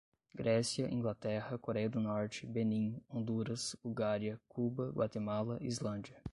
Grécia, Inglaterra, Coreia do Norte, Benim, Honduras, Bulgária, Cuba, Guatemala, Islândia